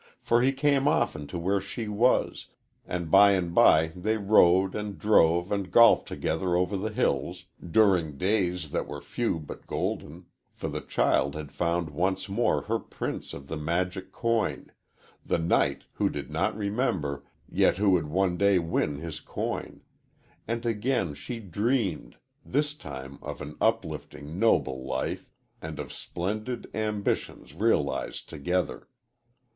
For he came often to where she was, and by and by they rode and drove and golfed together over the hills, during days that were few but golden, for the child had found once more her prince of the magic coin the knight who did not remember, yet who would one day win his coin and again she dreamed, this time of an uplifting, noble life, and of splendid ambitions realized together.